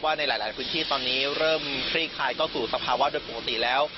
ในหลายพื้นที่ตอนนี้เริ่มคลี่คลายเข้าสู่สภาวะโดยปกติแล้ว